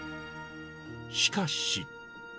しかし。